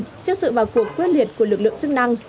tuy nhiên trước sự và cuộc quyết liệt của lực lượng chức năng